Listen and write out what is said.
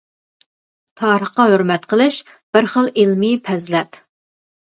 تارىخقا ھۆرمەت قىلىش-بىر خىل ئىلمىي پەزىلەت.